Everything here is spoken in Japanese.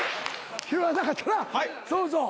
拾われなかったなそうそう。